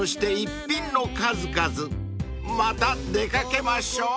［また出掛けましょう］